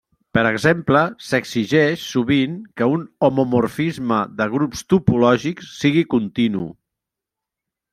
Per exemple, s'exigeix sovint que un homomorfisme de grups topològics sigui continu.